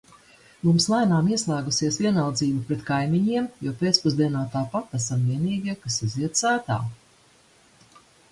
Mums lēnām ieslēgusies vienaldzība pret kaimiņiem, jo pēcpusdienā tāpat esam vienīgie, kas iziet sētā.